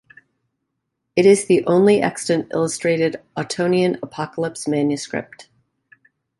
It is the only extant illustrated Ottonian Apocalypse manuscript.